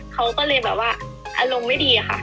เขาก็เลยแบบว่าอารมณ์ไม่ดีค่ะ